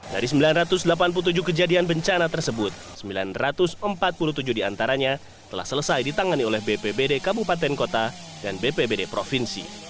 dari sembilan ratus delapan puluh tujuh kejadian bencana tersebut sembilan ratus empat puluh tujuh diantaranya telah selesai ditangani oleh bpbd kabupaten kota dan bpbd provinsi